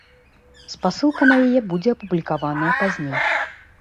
Спасылка на яе будзе апублікаваная пазней.